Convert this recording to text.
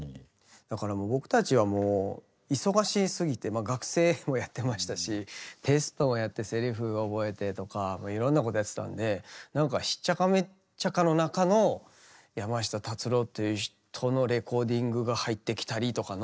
だからもう僕たちはもう忙しすぎてま学生もやってましたしテストもやってセリフ覚えてとかいろんなことやってたんでなんかひっちゃかめっちゃかの中の山下達郎という人のレコーディングが入ってきたりとかの。